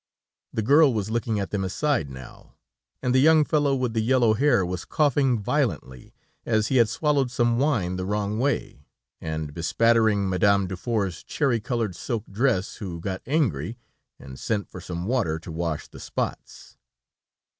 The girl was looking at them aside now, and the young fellow with the yellow hair was coughing violently, as he had swallowed some wine the wrong way, and bespattering Madame Dufour's cherry colored silk dress, who got angry, and sent for some water, to wash the spots.